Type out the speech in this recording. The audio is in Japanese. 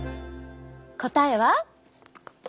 答えは。